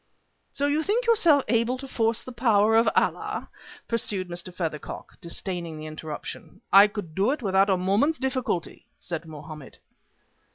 "So you think yourself able to force the power of Allah!" pursued Mr. Feathercock, disdaining the interruption. "I could do it without a moment's difficulty," said Mohammed.